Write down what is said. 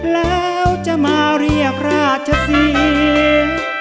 แล้วจะมาเรียกราชศรี